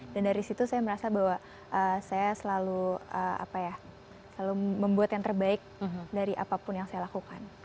dan dari situ saya merasa bahwa saya selalu apa ya selalu membuat yang terbaik dari apapun yang saya lakukan